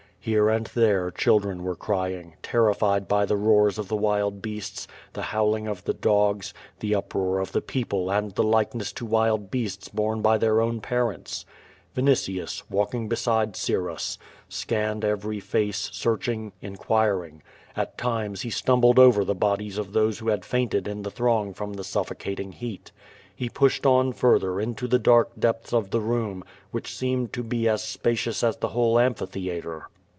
Here and there, children were crying, terrified by the roars of the wild beasts, the howling of the dogs, the up roar of the people and the likeness to wild beasts borne by their own parents. Vinitius, walking beside Syrus, scanned every face, searching, inquiring. At times he stumbled over the bodies of those who had fainted iji the throng from the suffocating heat. He pushed on further into the dark depths of the room, which seemed to be as spacious as the whole am phitheatre.